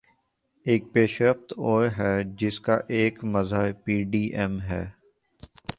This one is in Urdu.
ایک پیش رفت اور ہے جس کا ایک مظہر پی ٹی ایم ہے۔